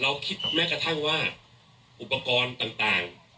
คิดแม้กระทั่งว่าอุปกรณ์ต่าง